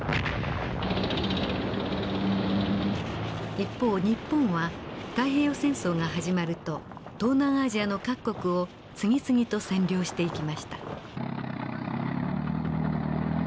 一方日本は太平洋戦争が始まると東南アジアの各国を次々と占領していきました。